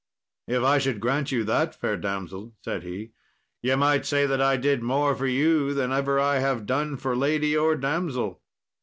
"If I should grant you that, fair damsel," said he, "ye might say that I did more for you than ever I have done for lady or damsel."